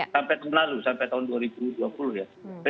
sampai kemenalu sampai tahun dua ribu dua puluh ya